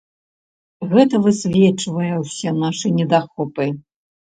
Гэта высвечвае ўсе нашы недахопы.